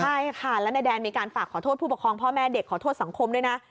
ใช่ค่ะแล้วนายแดนมีการฝากขอโทษผู้ปกครองพ่อแม่เด็กขอโทษสังคมด้วยนะ